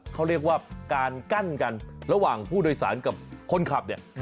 เขาเรียกว่าการกั้นกันระหว่างผู้โดยสารกับคนขับเนี่ย